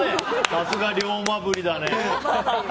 さすが龍馬鰤だね。